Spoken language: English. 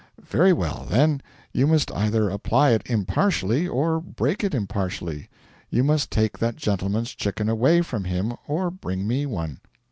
'Very well, then, you must either apply it impartially or break it impartially. You must take that gentleman's chicken away from him or bring me one.'